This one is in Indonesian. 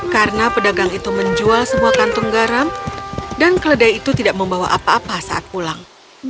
karena pedagang itu menjual semua kantung garam dan keledai itu tidak membawa apa apa saat pulang